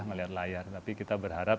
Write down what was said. melihat layar tapi kita berharap